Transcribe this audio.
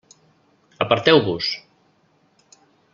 Aparteu-vos!